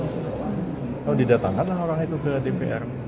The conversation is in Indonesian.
kalau didatangkan lah orang itu ke dpr